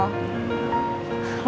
lo buat apa